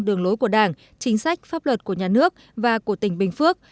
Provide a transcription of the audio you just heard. đường lối của đảng chính sách pháp luật của nhà nước và của tỉnh bình phước